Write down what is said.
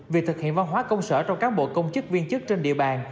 việc thực hiện văn hóa công sở trong cán bộ công chức viên chức trên địa bàn